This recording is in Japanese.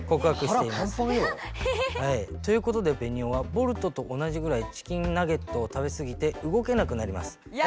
はらパンパンよ。ということでベニオはボルトと同じぐらいチキンナゲットを食べすぎてうごけなくなります。